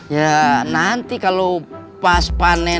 ya nanti kalau pas panen